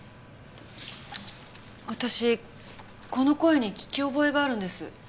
私この声に聞き覚えがあるんです。